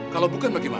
kalau bukan bagaimana